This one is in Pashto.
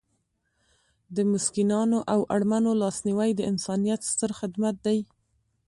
د مسکینانو او اړمنو لاسنیوی د انسانیت ستر خدمت دی.